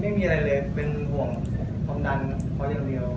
ไม่มีอะไรเลยเป็นห่วงกำดันเพราะอย่างเดียว